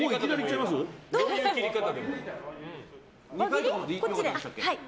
どういう切り方でもいい。